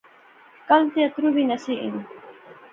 کل تے اتروں وی نہسے اینی